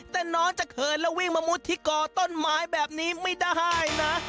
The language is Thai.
แต่น้องจะเขินแล้ววิ่งมามุดที่ก่อต้นไม้แบบนี้ไม่ได้นะ